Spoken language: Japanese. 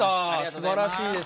すばらしいです。